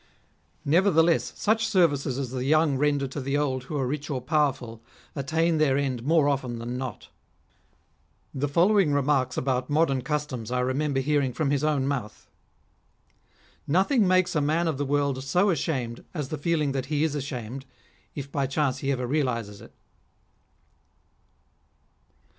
Nevertheless, such services as the young render to the old who are rich or powerful, attain their end more often than not. The following remarks about modern customs I remem ber hearing from his own mouth :—" Nothing makes a man of the world so ashamed as the feeling that he is ashamed, if by chance he ever realises it.